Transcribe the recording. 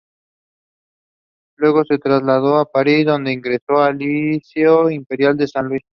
Luego se trasladó a Paris, donde ingresó al Liceo Imperial de San Luis.